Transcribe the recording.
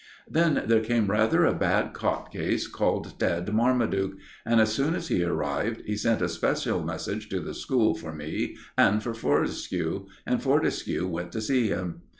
Then there came rather a bad cot case called Ted Marmaduke, and as soon as he arrived, he sent a special message to the school for me and for Fortescue; and Fortescue went to see him.